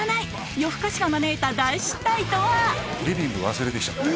リビング忘れてきちゃって。